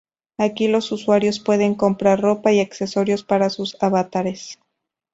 Aquí los usuarios pueden comprar ropa y accesorios para sus avatares.